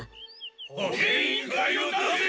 保健委員会を出せ！